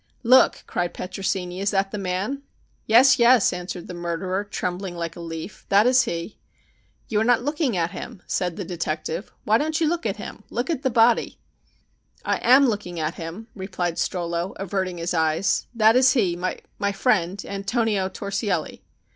"Look," cried Petrosini; "is that the man?" "Yes, yes," answered the murderer, trembling like a leaf. "That is he." "You are not looking at him," said the detective. "Why don't you look at him. Look at the body." "I am looking at him," replied Strollo, averting his eyes. "That is he my friend Antonio Torsielli."